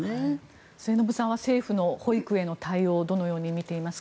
末延さんは政府の保育への対応をどのように見ていますか？